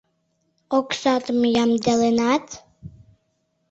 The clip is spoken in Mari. — Оксатым ямдыленат?